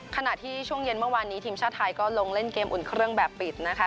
ขณะที่ช่วงเย็นเมื่อวานนี้ทีมชาติไทยก็ลงเล่นเกมอุ่นเครื่องแบบปิดนะคะ